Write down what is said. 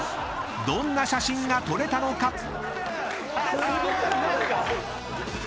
［どんな写真が撮れたのか？］